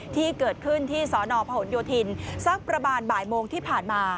ที่เกิดขึ้นที่สนพหนโยธินสักประมาณบ่ายโมงที่ผ่านมา